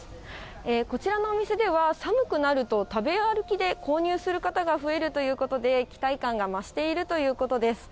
こちらのお店では、寒くなると食べ歩きで購入する方が増えるということで、期待感が増しているということです。